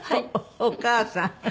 お母さん？